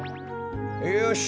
よし。